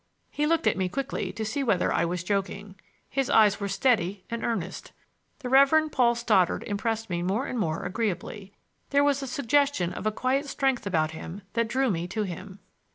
He looked at me quickly to see whether I was joking. His eyes were steady and earnest. The Reverend Paul Stoddard impressed me more and more agreeably. There was a suggestion of a quiet strength about him that drew me to him.